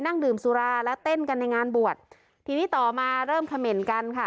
นั่งดื่มสุราและเต้นกันในงานบวชทีนี้ต่อมาเริ่มเขม่นกันค่ะ